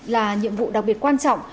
là nhiệm vụ đặc biệt quan trọng